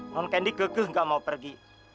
non candy keke nggak mau pergi